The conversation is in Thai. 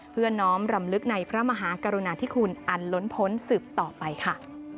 เพื่อน้อมรำลึกในพระมหากรุณาธิคุณอันล้นพ้นสืบต่อไปค่ะ